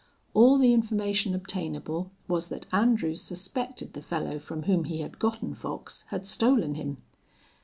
All the information obtainable was that Andrews suspected the fellow from whom he had gotten Fox had stolen him.